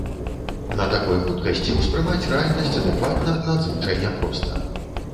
На такой хуткасці ўспрымаць рэальнасць адэкватна надзвычай няпроста.